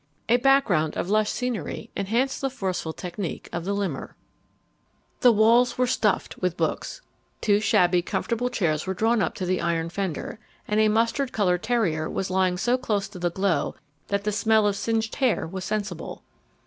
A background of lush scenery enhanced the forceful technique of the limner. The walls were stuffed with books. Two shabby, comfortable chairs were drawn up to the iron fender, and a mustard coloured terrier was lying so close to the glow that a smell of singed hair was sensible.